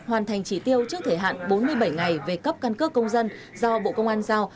hoàn thành chỉ tiêu trước thể hạn bốn mươi bảy ngày về cấp căn cước công dân do bộ công an giao